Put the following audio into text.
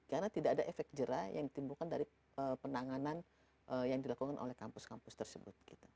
karena tidak ada efek jerah yang ditimbulkan dari penanganan yang dilakukan oleh kampus kampus tersebut